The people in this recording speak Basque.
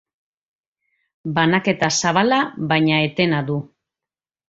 Banaketa zabala baina etena du.